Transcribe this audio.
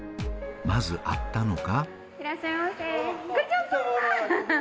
まず会ったのが。